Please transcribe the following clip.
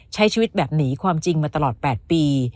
ใช้ชีวิตแบบนี้ความจริงมาตลอด๘ปี